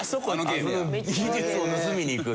技術を盗みに行く。